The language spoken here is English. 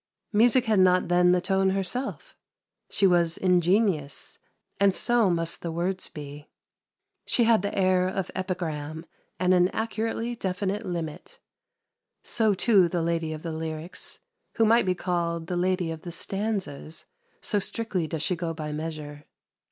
Music had not then the tone herself; she was ingenious, and so must the words be. She had the air of epigram, and an accurately definite limit. So, too, the lady of the lyrics, who might be called the lady of the stanzas, so strictly does she go by measure.